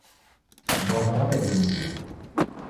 Mbogha raw'edendia